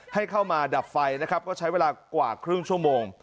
ให้เข้ามาดับไฟนะครับก็ใช้เวลากว่าครึ่งชั่วโมง